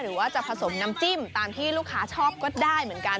หรือว่าจะผสมน้ำจิ้มตามที่ลูกค้าชอบก็ได้เหมือนกัน